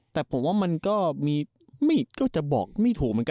แต่ผมว่ามันก็จะบอกไม่ถูกเหมือนกัน